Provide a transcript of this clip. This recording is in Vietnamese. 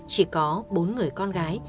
chỉ có bốn người con gái